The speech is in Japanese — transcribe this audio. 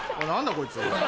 こいつ。